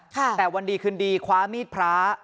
แต่วันดีคืนดีคว้ามีดพระ